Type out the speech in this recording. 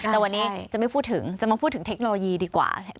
แต่วันนี้จะไม่พูดถึงจะมาพูดถึงเทคโนโลยีดีกว่า